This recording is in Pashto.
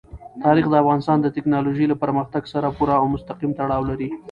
تاریخ د افغانستان د تکنالوژۍ له پرمختګ سره پوره او مستقیم تړاو لري.